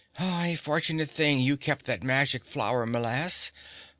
A fortunate thing you kept that magic flower, m'lass.